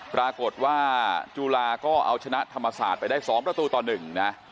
ปรากฏว่าจุฬาก็เอาชนะธรรมศาสตร์ไปได้๒ประตูต่อ๑นะ